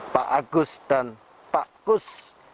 pak agus dan pak kus